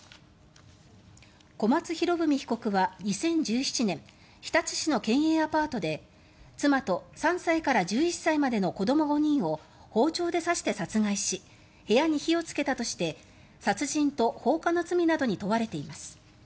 小松博文被告は２０１７年日立市の県営アパートで妻と３歳から１１歳までの子ども５人を包丁で刺して殺害し部屋に火をつけたとして殺人と放火の罪などに問われています。